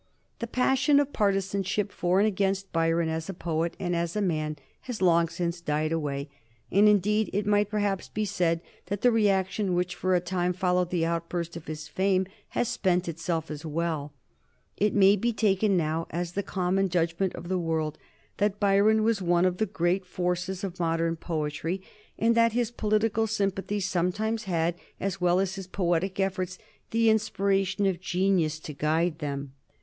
The passion of partisanship for and against Byron as a poet and as a man has long since died away, and indeed it might perhaps be said that the reaction which, for a time, followed the outburst of his fame has spent itself as well. It may be taken now as the common judgment of the world that Byron was one of the great forces of modern poetry, and that his political sympathies sometimes had, as well as his poetic efforts, the inspiration of genius to guide them.